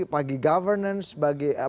bagi governance bagi eh